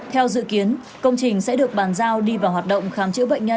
theo dự kiến công trình sẽ được bàn giao đi vào hoạt động khám chữa bệnh nhân